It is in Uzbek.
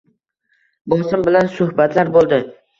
bosim bilan suhbatlar bo‘ldi.